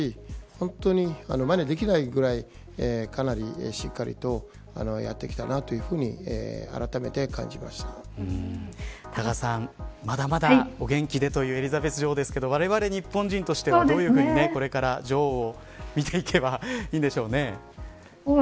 本当に、まねできないぐらいかなりしっかりとやってきたなというふうに多賀さん、まだまだお元気でというエリザベス女王ですがわれわれ日本人としてはどういうふうに女王を見ていけばいいんでしょうか。